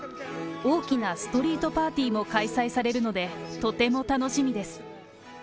大きなストリートパーティーも開催されるので、とても楽しみです。